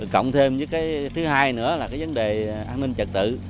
cộng thêm với cái thứ hai nữa là cái vấn đề an ninh trật tự